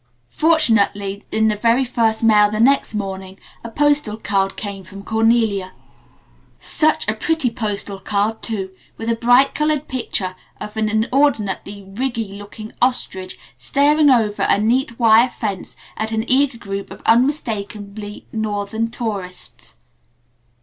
Fortunately in the very first mail the next morning a postal card came from Cornelia such a pretty postal card too, with a bright colored picture of an inordinately "riggy" looking ostrich staring over a neat wire fence at an eager group of unmistakably Northern tourists.